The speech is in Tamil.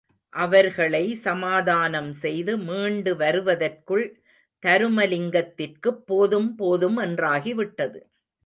அவர்களை சமதானம் செய்து, மீண்டு வருவதற்குள் தருமலிங்கத்திற்குப் போதும் போதும் என்றாகிவிட்டது.